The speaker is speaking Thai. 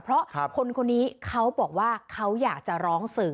เพราะคนคนนี้เขาบอกว่าเขาอยากจะร้องสื่อ